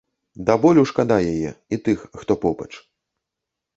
Да болю шкада яе, і тых, хто побач.